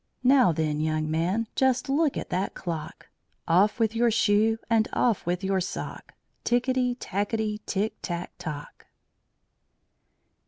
Now then, young man, just look at that clock! Off with your shoe, and off with your sock. Ticketty Tacketty, tick, tack, tock.